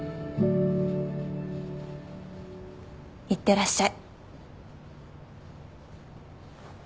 いってらっしゃい。